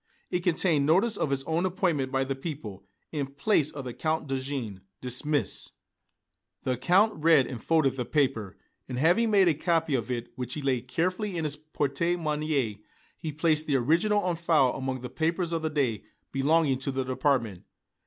It contained notice of his own appointment by the people, in place of the Count Dejean, dismissed. The Count read and folded the paper, and having made a copy of it, which he laid carefully in his porte monnaie, he placed the original on file among the papers of the day belonging to the department.